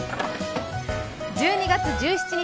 １２月１７日